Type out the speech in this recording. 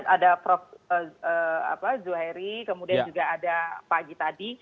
ada prof zuhairi kemudian juga ada pak gita d